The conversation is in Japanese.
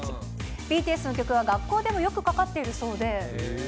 ＢＴＳの曲は学校でもよくかかっているそうで。